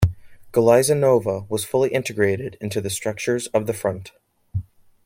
Galiza Nova was fully integrated into the structures of the front.